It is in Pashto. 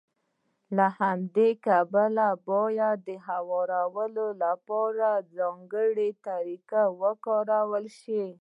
له همدې امله يې بايد د هوارولو لپاره ځانګړې طريقه وکارول شي.